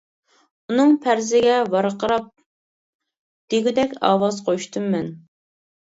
-ئۇنىڭ پەرىزىگە ۋارقىراپ دېگۈدەك ئاۋاز قوشتۇم مەن.